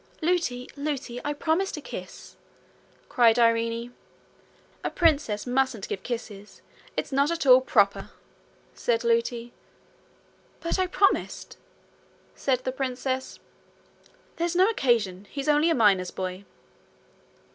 'Lootie! Lootie! I promised a kiss,' cried Irene. 'A princess mustn't give kisses. It's not at all proper,' said Lootie. 'But I promised,' said the princess. 'There's no occasion; he's only a miner boy.'